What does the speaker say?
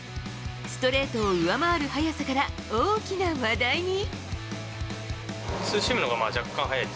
ストレートを上回る速さから、大きな話題に。